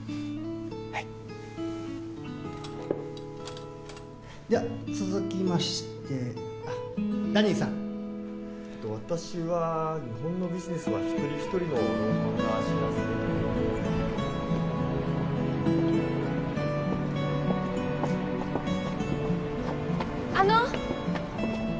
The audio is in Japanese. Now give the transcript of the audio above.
はいでは続きましてダニーさん・私は日本のビジネスは一人一人のあの！